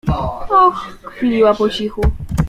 Och! — kwiliła po cichu.